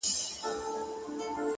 • د پیربابا زیارت دی ,